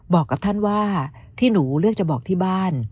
บอกกับท่านว่าที่หนูเลือกจะบอกที่บ้าน